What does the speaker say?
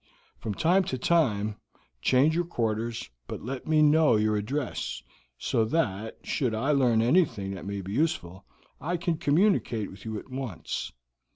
From time to time change your quarters, but let me know your address, so that, should I learn anything that may be useful, I can communicate with you at once.